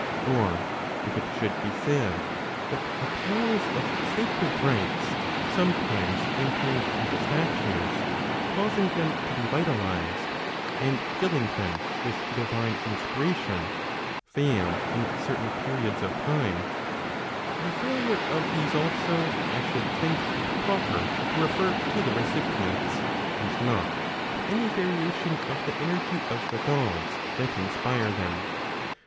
Or if it should be said, that the powers of sacred rite6, sometimes entering into statues, causing them to be vitalized, and filling them with divine inspiration, fail in certain periods of time, the failure of these also, I should think it proper to refer to the recipients, and not to any variation of the energy of the Gods that inspire them.